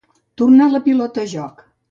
Tornar la pilota a joc.